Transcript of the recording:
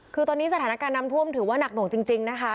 คือตอนนี้สถานการณ์น้ำท่วมถือว่าหนักหน่วงจริงนะคะ